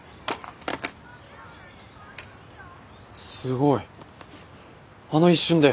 すごいあの一瞬で！